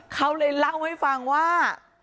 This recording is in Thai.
เขาเลยเล่าให้ฟังว่า